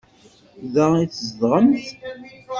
Da i tzedɣemt?